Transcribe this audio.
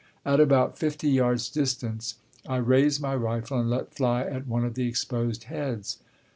At about fifty yards distant I raised my rifle and let fly at one of the exposed heads.